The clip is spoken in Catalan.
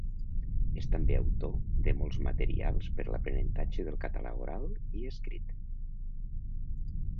És també autor de molts materials per l'aprenentatge del català oral i escrit.